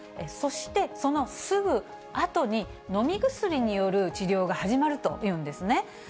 そして、そのすぐあとに、飲み薬による治療が始まるというんですね。